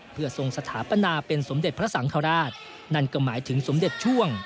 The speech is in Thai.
เพื่อทรงสถาปนาเป็นสมเด็จพระสังฆราชนั่นก็หมายถึงสมเด็จช่วง